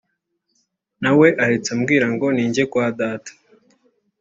nawe ahita ambwira ngo ninjye kwa Data